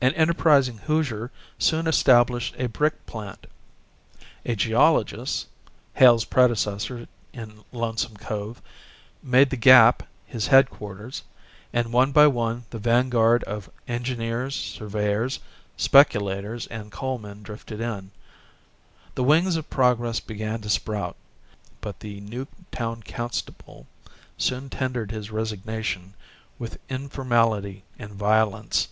An enterprising Hoosier soon established a brick plant. A geologist Hale's predecessor in Lonesome Cove made the Gap his headquarters, and one by one the vanguard of engineers, surveyors, speculators and coalmen drifted in. The wings of progress began to sprout, but the new town constable soon tendered his resignation with informality and violence.